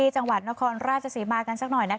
จังหวัดนครราชสีมา